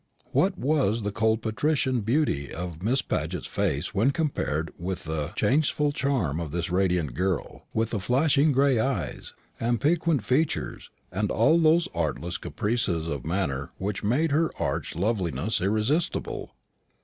What was the cold patrician beauty of Miss Paget's face when compared with the changeful charm of this radiant girl, with the flashing gray eyes and piquant features, and all those artless caprices of manner which made her arch loveliness irresistible?